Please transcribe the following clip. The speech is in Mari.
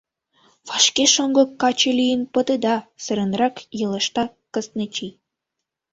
Вашке шоҥго каче лийын пытеда! — сыренрак йелешта Кыстынчий.